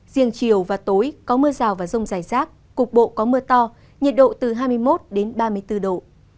riêng chiều và tối có mưa rào và rông dài rác cục bộ có mưa to nhiệt độ từ hai mươi một đến ba mươi bốn độ